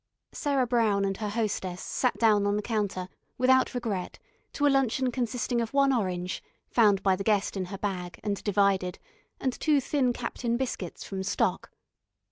Sarah Brown and her hostess sat down on the counter without regret to a luncheon consisting of one orange, found by the guest in her bag and divided, and two thin captain biscuits from stock.